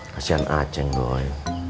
kasian aceng doi